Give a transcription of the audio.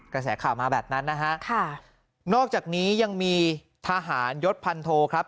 กระแสข่าวมาแบบนั้นนะฮะค่ะนอกจากนี้ยังมีทหารยศพันโทครับ